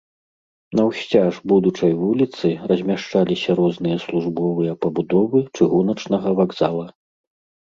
Наўсцяж будучай вуліцы размяшчаліся розныя службовыя пабудовы чыгуначнага вакзала.